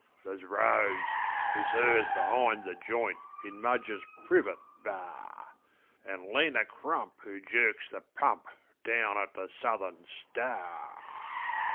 There's Rose who serves behind the joint In Mudge's privit bar, An' Lena Crump who jerks the pump Down at the Southern Star."